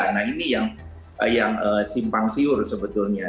nah ini yang simpang siur sebetulnya